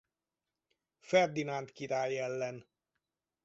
Ferdinánd király ellen.